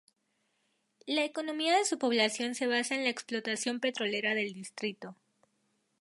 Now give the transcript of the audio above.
La economía de su población se basa en la explotación petrolera del distrito.